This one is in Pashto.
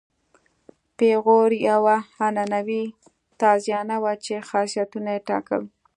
پیغور یوه عنعنوي تازیانه وه چې خاصیتونه یې ټاکل.